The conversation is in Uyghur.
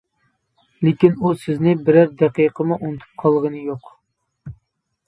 لېكىن ئۇ سىزنى بىرەر دەقىقىمۇ ئۇنتۇپ قالغىنى يوق.